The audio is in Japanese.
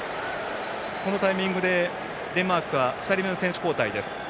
このタイミングでデンマークは２人目の選手交代です。